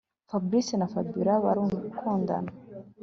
Fabric na Fabiora barakundana